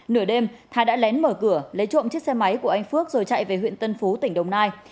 nửa đêm thái đã lén mở cửa lấy trộm chiếc xe máy của anh phước rồi chạy về huyện tân phú tỉnh đồng nai